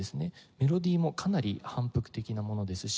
メロディーもかなり反復的なものですし。